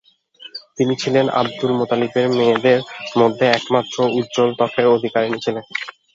তিনি ছিলেন আব্দুল মুতালিবের মেয়েদের মধ্যে একমাত্র উজ্জ্বল ত্বকের অধিকারিণী ছিলেন॥